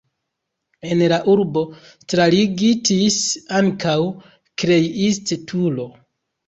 En la urbo starigitis ankaŭ Kleist-turo.